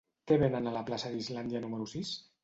Què venen a la plaça d'Islàndia número sis?